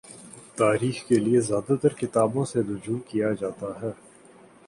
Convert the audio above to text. تاریخ کے لیے زیادہ ترکتابوں سے رجوع کیا جاتا ہے۔